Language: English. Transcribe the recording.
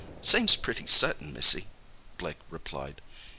"Seems pretty certain, missy," Blake replied.